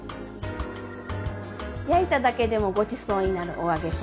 焼いただけでもごちそうになるお揚げさん。